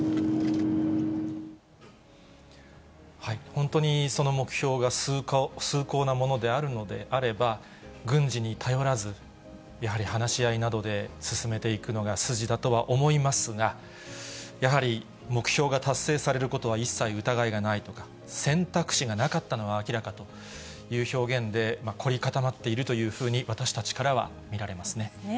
本当にその目標が崇高なものであるのであれば、軍事に頼らず、やはり話し合いなどで進めていくのが筋だとは思いますが、やはり、目標が達成されることは一切疑いがないとか、選択肢がなかったのは明らかという表現で、凝り固まっているというふうに私たちからは見られますね。